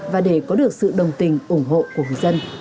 và để có được sự đồng tình ủng hộ của người dân